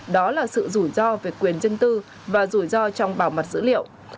đó là sự rủi ro về quyền dân tư và rủi ro trong bảo mật dữ liệu